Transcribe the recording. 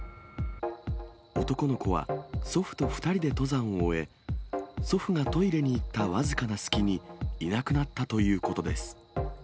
男の子は祖父と２人で登山を終え、祖父がトイレに行った僅かな隙にいなくなったということです。